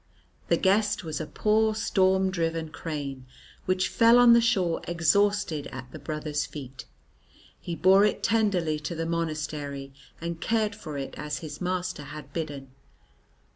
The guest was a poor storm driven crane which fell on the shore exhausted at the brother's feet. He bore it tenderly to the monastery and cared for it as his master had bidden.